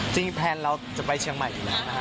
แพลนเราจะไปเชียงใหม่อยู่แล้วนะฮะ